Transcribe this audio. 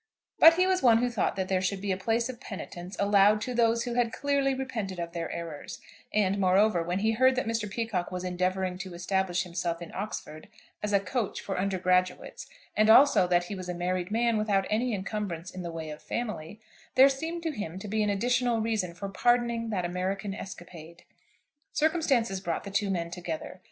But he was one who thought that there should be a place of penitence allowed to those who had clearly repented of their errors; and, moreover, when he heard that Mr. Peacocke was endeavouring to establish himself in Oxford as a "coach" for undergraduates, and also that he was a married man without any encumbrance in the way of family, there seemed to him to be an additional reason for pardoning that American escapade. Circumstances brought the two men together.